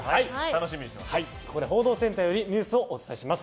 ここで報道センターからニュースをお伝えします。